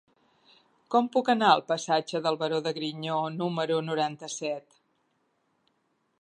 Com puc anar al passatge del Baró de Griñó número noranta-set?